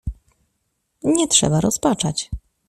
"Nie trzeba rozpaczać."